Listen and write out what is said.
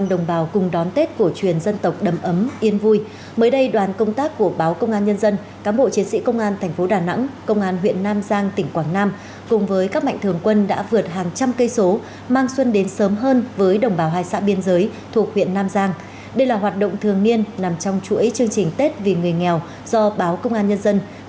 do báo công an nhân dân đơn vị thuộc cục truyền thông công an nhân dân phát động